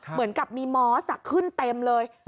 เหมือนกับมีมอสขึ้นเต็มเลย